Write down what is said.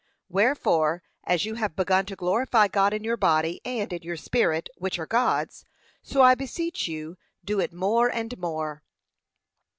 Wherefore, as you have begun to glorify God in your body and in your spirit, which are God's; so I beseech you do it more and more.